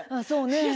そうね。